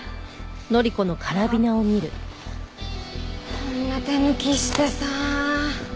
こんな手抜きしてさあ。